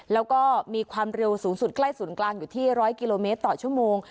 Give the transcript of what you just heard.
แล้วก็มีความเร็วสูงสุดใกล้ศูนย์กลางอยู่ที่๑๐๐กิโลเมตรต่อชั่วโมง